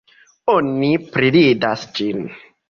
Oni priridas ĝin.